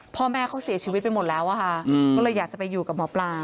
พ่อแม่เขาเสียชีวิตไปหมดแล้วอะค่ะก็เลยอยากจะไปอยู่กับหมอปลา